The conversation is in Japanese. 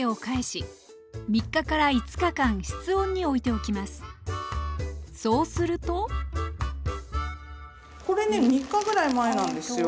おもしをしてそうするとこれね３日ぐらい前なんですよ。